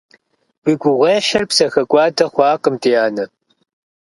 Уи гугъуехьыр псэхэкӀуадэ хъуакъым, ди анэ.